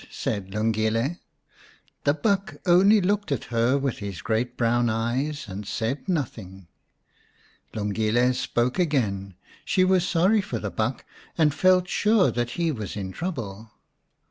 said Lungile. The buck only looked at her with his great brown eyes, and said nothing. Lungile spoke again. She was sorry for the buck, and felt sure that he was in trouble.